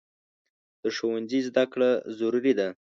د ښوونځي زده کړه ضروري ده.